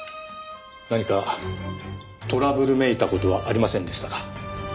何かトラブルめいた事はありませんでしたか？